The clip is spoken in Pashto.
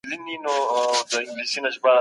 ما تېره شپه د ژوند د حقیقت په اړه فکر وکړی.